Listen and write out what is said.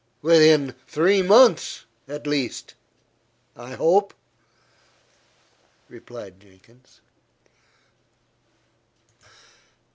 "Within three months, at least, I hope," replied Jenkins.